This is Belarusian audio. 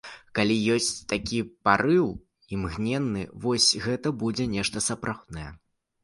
Калі ёсць такі парыў, імгненны, вось гэта будзе нешта сапраўднае.